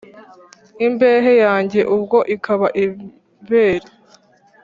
Imbehe yanjye ubwo ikaba ibere